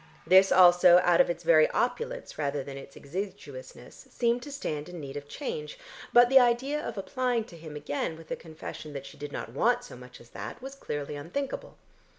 This also out of its very opulence rather than its exiguousness seemed to stand in need of change, but the idea of applying to him again with the confession that she did not want so much as that was clearly unthinkable.